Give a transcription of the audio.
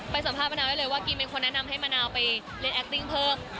สัมภาษณมะนาวได้เลยว่ากิมเป็นคนแนะนำให้มะนาวไปเล่นแอคติ้งเพิ่ม